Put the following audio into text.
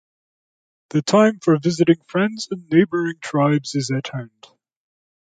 The time for visiting friends and neighboring tribes is at hand.